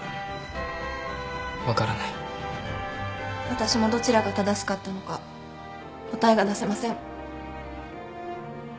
私もどちらが正しかったのか答えが出せません。